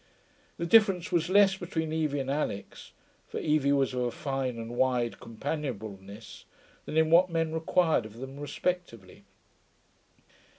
The difference was less between Evie and Alix (for Evie was of a fine and wide companionableness) than in what men required of them respectively.